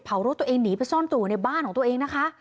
รถตัวเองหนีไปซ่อนตัวในบ้านของตัวเองนะคะ